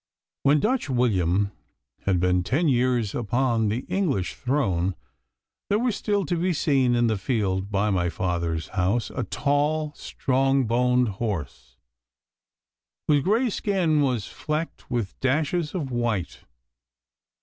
When Dutch William had been ten years upon the English throne there was still to be seen in the field by my father's house a tall, strong boned horse, whose grey skin was flecked with dashes of white.